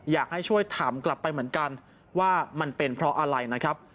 อยากให้ช่วยถามกลับไปเหมือนกันว่ามันเป็นเพราะอะไรนะครับ